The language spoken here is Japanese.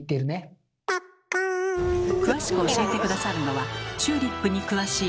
詳しく教えて下さるのはチューリップに詳しい